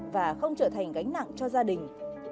và không trở thành gánh nặng cho gia đình